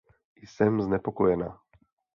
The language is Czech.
Jsem znepokojena.